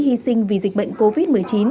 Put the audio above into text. hy sinh vì dịch bệnh covid một mươi chín